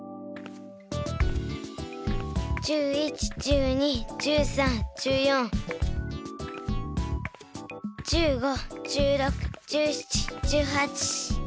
１１１２１３１４１５１６１７１８。